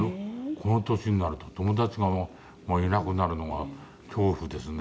この年になると友達がいなくなるのが恐怖ですね。